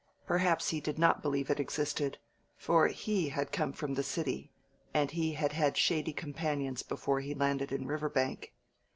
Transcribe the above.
Perhaps he did not believe it existed, for he had come from the city, and he had had shady companions before he landed in Riverbank.